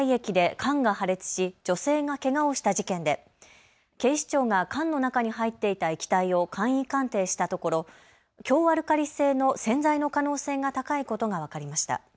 東京足立区の西新井駅で缶が破裂し女性がけがをした事件で警視庁が缶の中に入っていた液体を簡易鑑定したところ強アルカリ性の洗剤の可能性が高いことが分かりました。